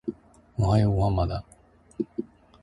おはようご飯まだ？